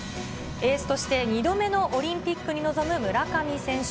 エースとして２度目のオリンピックに臨む村上選手。